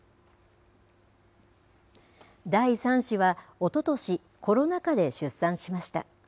第３子は、おととしコロナ禍で出産しました。